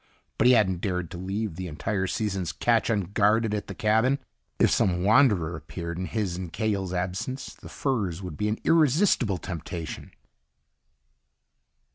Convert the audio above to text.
But he hadn't dared to leave the entire season's catch unguarded at the cabin. If some wanderer appeared in his and Cahill's absence, the furs would be an irresistible temptation.